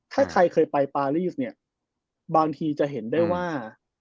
ถ้าใครเคยไปปารีสเนี่ยบางทีจะเห็นได้ว่า